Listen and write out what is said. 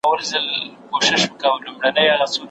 هغه سړی تر موږ وړاندي په پوره مېړاني او زړورتیا سره ولاړی.